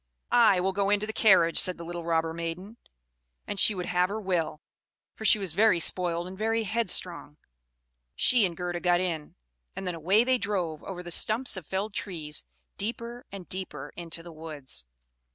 "I will go into the carriage," said the little robber maiden; and she would have her will, for she was very spoiled and very headstrong. She and Gerda got in; and then away they drove over the stumps of felled trees, deeper and deeper into the woods.